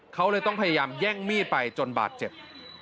เขาเลยต้องพยายามแย่งมีดไปจนบาดเจ็บ